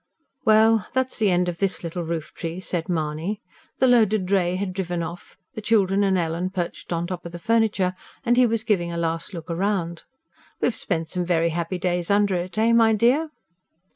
"Well, that's the end of this little roof tree," said Mahony. The loaded dray had driven off, the children and Ellen perched on top of the furniture, and he was giving a last look round. "We've spent some very happy days under it, eh, my dear?"